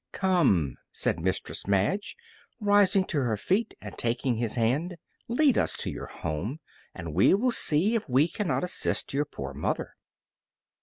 "Come," said Mistress Madge, rising to her feet and taking his hand; "lead us to your home, and we will see if we cannot assist your poor mother."